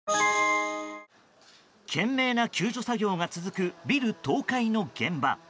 懸命な救助作業が続くビル倒壊の現場。